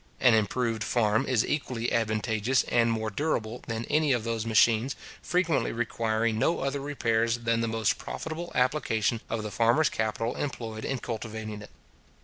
An improved farm is equally advantageous and more durable than any of those machines, frequently requiring no other repairs than the most profitable application of the farmer's capital employed in cultivating it.